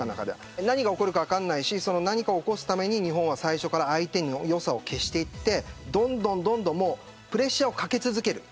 何が起こるか分からないし何かを起こすために相手の良さを消してどんどん、プレッシャーをかけ続ける。